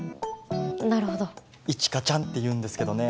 なるほどいちかちゃんっていうんですけどね